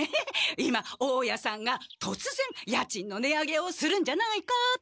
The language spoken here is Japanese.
今大家さんがとつぜん家賃の値上げをするんじゃないかって。